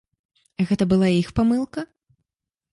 Гэта была іх памылка?